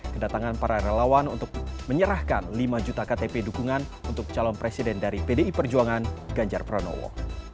kedatangan para relawan untuk menyerahkan lima juta ktp dukungan untuk calon presiden dari pdi perjuangan ganjar pranowo